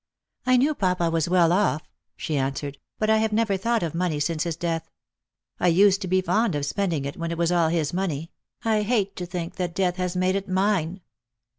" I knew papa was well off," she answered; " but I have never thought of money since his death. I used to be fond of spend ing it when it was all his money ; I hate to think that death has made it mine."